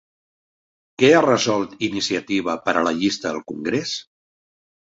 Què ha resolt Iniciativa per a la llista al congrés?